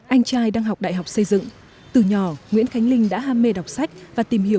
anh trai đang học đại học xây dựng từ nhỏ nguyễn khánh linh đã ham mê đọc sách và tìm hiểu